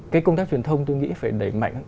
cái công tác truyền thông tôi nghĩ phải đẩy mạnh